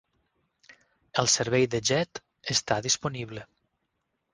El servei de jet està disponible.